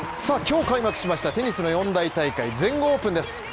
ＪＴさあ今日開幕しましたテニスの４大大会全豪オープンです